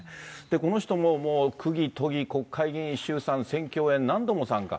この人も、区議、都議、国会議員、衆参選挙応援、何度も参加。